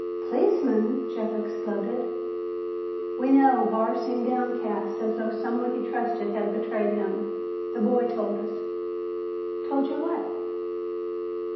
"Policeman!" Jeff exploded. "We know," Barr seemed downcast, as though someone he trusted had betrayed him. "The boy told us." "Told you what?"